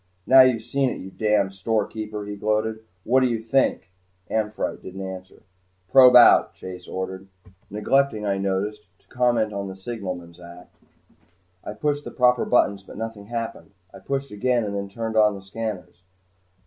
"Now you've seen it, you damned storekeeper," he gloated. "What do you think?" "Amphitrite" didn't answer. "Probe out," Chase ordered, neglecting, I noticed, to comment on the signalman's act. I pushed the proper buttons but nothing happened. I pushed again and then turned on the scanners.